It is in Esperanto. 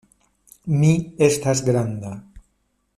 Mi estas granda.